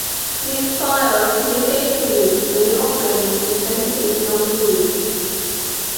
These files can be safely moved when the operating system is not in use.